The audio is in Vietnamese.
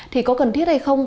thì có cần thiết hay không